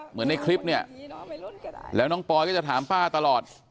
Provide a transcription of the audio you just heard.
เหมือนในคลิปเนี่ยแล้วน้องปอยก็จะถามป้าตลอด